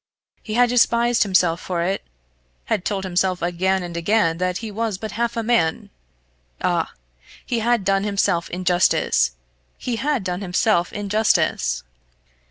He had despised himself for it; had told himself again and again that he was but half a man Ah! he had done himself injustice he had done himself injustice!